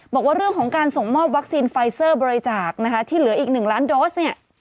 บอกว่าเรื่องของการส่งมอบวัคซีนไฟเซอร์บริจาคนะคะที่เหลืออีก๑ล้านโดสเนี่ย